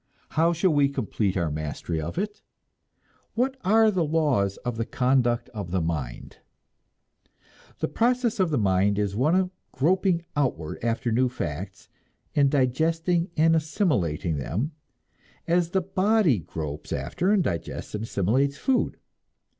How shall we complete our mastery of it? What are the laws of the conduct of the mind? The process of the mind is one of groping outward after new facts, and digesting and assimilating them, as the body gropes after and digests and assimilates food.